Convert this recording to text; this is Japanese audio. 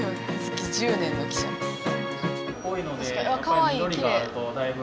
かわいいきれい。